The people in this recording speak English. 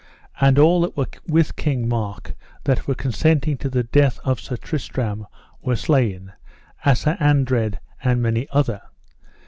And all that were with King Mark that were consenting to the death of Sir Tristram were slain, as Sir Andred and many other.